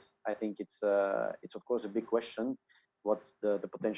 saya pikir itu adalah pertanyaan besar